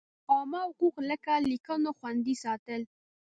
عامه حقوق لکه لیکونو خوندي ساتل.